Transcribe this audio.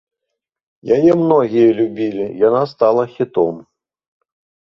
Яе многія любілі, яна стала хітом.